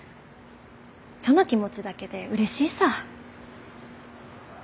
その気持ちだけでうれしいさ。